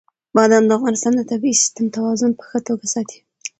بادام د افغانستان د طبعي سیسټم توازن په ښه توګه ساتي.